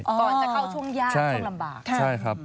ตอนจะเข้าช่วงยากช่วงลำบาก